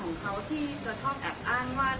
ว่านอกเเมื่อจะเป็นคำนายควาร